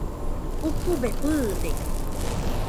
Ukube fɨɨde.